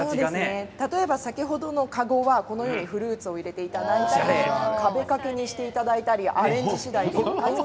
例えば先ほどの籠はフルーツを入れていただいたり壁掛けにしていただいたりアレンジ次第で。